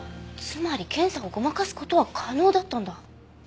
つまり検査をごまかす事は可能だったんだ。